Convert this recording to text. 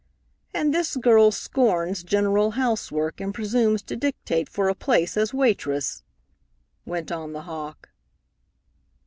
"And this girl scorns general housework, and presumes to dictate for a place as waitress," went on the hawk.